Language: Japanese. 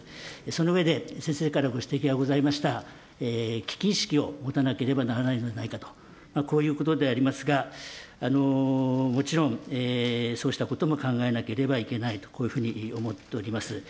その上で、先生からご指摘がありました、危機意識を持たなければならないのではないかと、こういうことでありますが、もちろんそうしたことも考えなければいけないと、こういうふうに思っております。